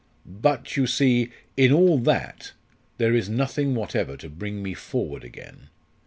But, you see in all that, there is nothing whatever to bring me forward again.